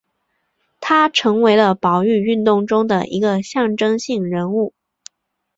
他成为了保育运动中的一个象征性人物。